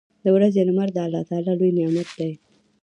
• د ورځې لمر د الله لوی نعمت دی.